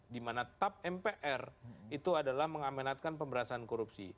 dimana tap mpr itu adalah mengamenatkan pemberantasan korupsi